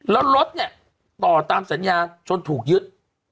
แล้วรถเนี่ยต่อตามสัญญาจนถูกยึด